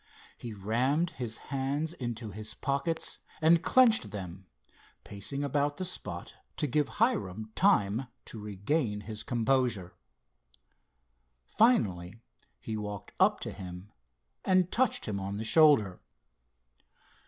He rammed his hands into his pockets and clenched them, pacing about the spot to give Hiram time to regain his composure. Finally he walked up to him and touched him on the shoulder.